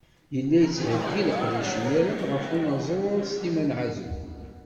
Yella yettheggi leqdic-nniḍen ɣef unaẓur Sliman Ɛazem.